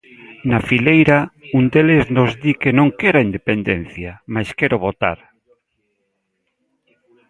Na fileira, un deles nos di que "non quero a independencia", mais quero "votar".